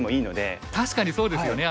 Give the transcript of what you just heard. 確かにそうですよね。